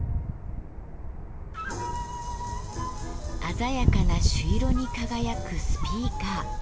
鮮やかな朱色に輝くスピーカー。